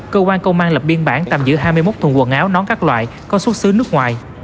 cơ quan công an lập biên bản tạm giữ hai mươi một thùng quần áo nón các loại có xuất xứ nước ngoài